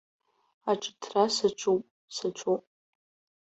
Аҿыҭра саҿуп, саҿуп.